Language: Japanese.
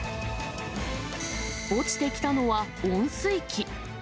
落ちてきたのは温水器。